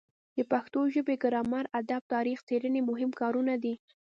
د پښتو ژبې ګرامر ادب تاریخ څیړنې مهم کارونه دي.